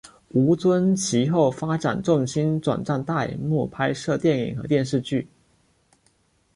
吴尊其后发展重心转战大银幕拍摄电影和电视剧。